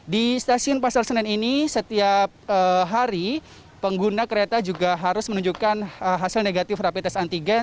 di stasiun pasar senen ini setiap hari pengguna kereta juga harus menunjukkan hasil negatif rapid test antigen